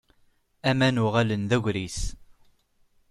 Aman uɣalen d agris.